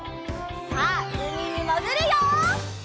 さあうみにもぐるよ！